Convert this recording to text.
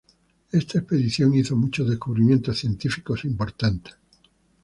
Esta expedición hizo muchos descubrimientos científicos importantes.